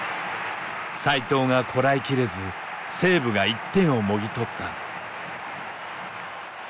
斉藤がこらえきれず西武が１点をもぎ取った。